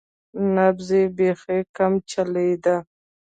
نبض یې بیخي کم چلیده.